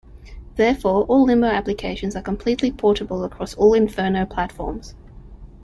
Therefore all Limbo applications are completely portable across all Inferno platforms.